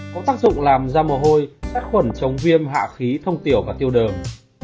có tác dụng làm da mồ hôi sát khuẩn chống viêm hạ khí thông tiểu và tiêu đờm